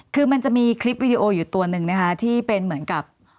คือมันจะมีคลิปวิดีโออยู่ตัวหนึ่งนะคะที่เป็นเหมือนกับ